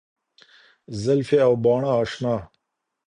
زلفي او باڼه اشنـا